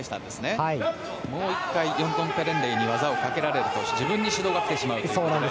もう１回ヨンドンペレンレイに技をかけられると、自分に指導がきてしまうということで。